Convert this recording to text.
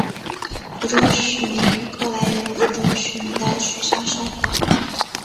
福州疍民渔歌来源于福州疍民的水上生活。